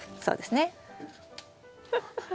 そうですね。